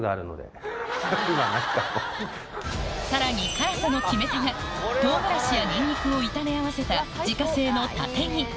さらに辛さの決め手が唐辛子やニンニクを炒め合わせた自家製のタテギ